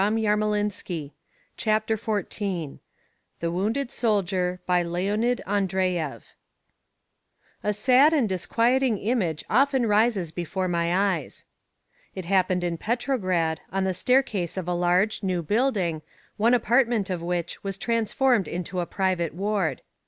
THE WOUNDED SOLDIER THE WOUNDED SOLDIER BY LEONID ANDREYEV A sad and disquieting image often rises before my eyes. It happened in Petrograd, on the staircase of a large, new building, one apartment of which was transformed into a private ward.